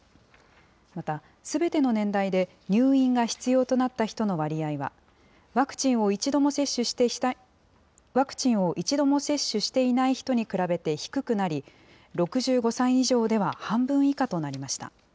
また、すべての年代で、入院が必要となった人の割合は、ワクチンを一度も接種していない人に比べて低くなり、６５歳以上では半分以下となりました。